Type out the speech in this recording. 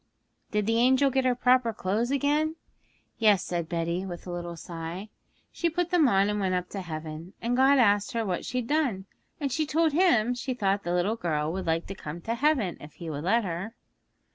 'Did the angel get her proper clothes again?' 'Yes,' said Betty, with a little sigh; 'she put them on and went up to heaven. And God asked her what she'd done. And she told Him she thought the little girl would like to come to heaven, if He would let her.'